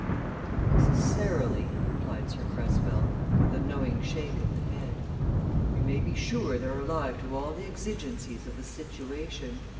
"Not necessarily," replied Sir Cresswell, with a knowing shake of the head. "You may be sure they're alive to all the exigencies of the situation.